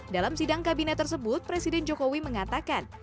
dalam sidang kabinet tersebut presiden jokowi mengatakan